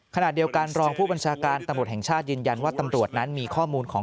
ขณะเดียวกันรองผู้บัญชาการตำรวจแห่งชาติยืนยันว่าตำรวจนั้นมีข้อมูลของ